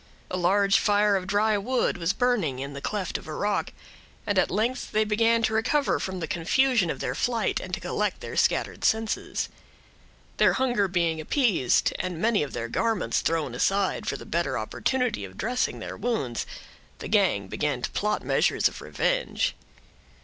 A large fire of dry wood was burning in the cleft of a rock, and at length they began to recover from the confusion of their flight, and to collect their scattered senses. Their hunger being appeased, and many of their garments thrown aside for the better opportunity of dressing their wounds, the gang began to plot measures of revenge.